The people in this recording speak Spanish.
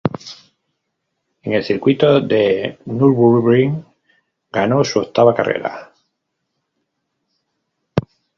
En el circuito de Nürburgring ganó su octava carrera.